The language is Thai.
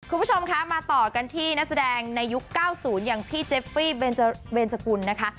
คุณผู้ชมคะมาต่อกันที่นักแสดงในยุค๙๐อย่างพี่เจฟฟี่เบนสกุลนะคะ